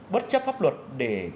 bất chấp pháp luật để